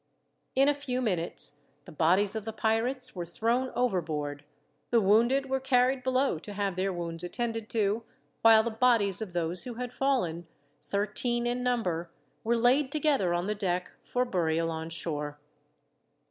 In a few minutes, the bodies of the pirates were thrown overboard, the wounded were carried below to have their wounds attended to, while the bodies of those who had fallen thirteen in number were laid together on the deck, for burial on shore.